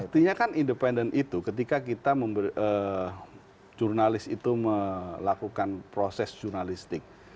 artinya kan independen itu ketika kita jurnalis itu melakukan proses jurnalistik